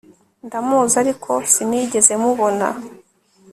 Ndamuzi ariko sinigeze mubona